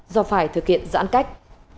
do phải thực hiện giãn cách